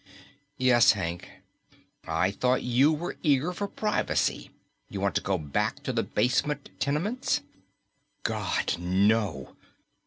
"Yes, Hank." "I thought you were eager for privacy. You want to go back to the basement tenements?" _God, no!